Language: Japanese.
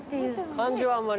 漢字はあんまり？